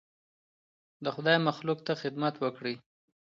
د خدای مخلوق ته خدمت وکړئ.